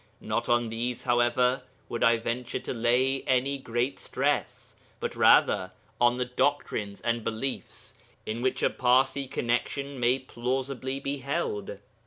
Not on these, however, would I venture to lay any great stress, but rather on the doctrines and beliefs in which a Parsi connexion may plausibly be held.